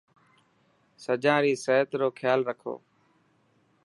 سجان ري صحت روخيال رکو.